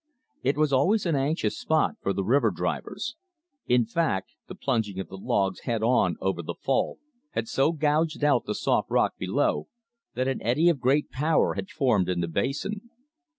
It was always an anxious spot for the river drivers. In fact, the plunging of the logs head on over the fall had so gouged out the soft rock below, that an eddy of great power had formed in the basin.